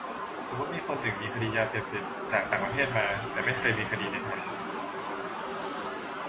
สมมติมีคนที่มีคดียาเสพติดจากต่างประเทศมา แต่ไม่เคยมีคดีในไทย